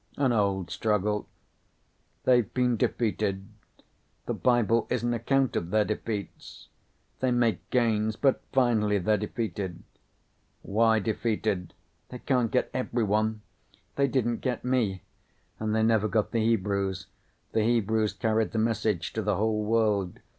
"An old struggle." "They've been defeated. The Bible is an account of their defeats. They make gains but finally they're defeated." "Why defeated?" "They can't get everyone. They didn't get me. And they never got the Hebrews. The Hebrews carried the message to the whole world.